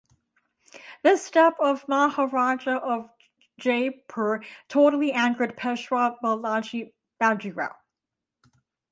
This step of Maharaja of Jaipur totally angered Peshwa Balaji Bajirao.